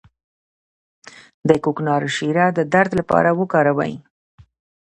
د کوکنارو شیره د درد لپاره وکاروئ